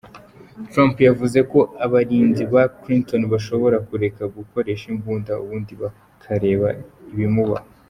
Trump yavuze ko abarinzi ba Clinton bashobora kureka gukoresha imbunda ubundi “bakareba ibimubaho”.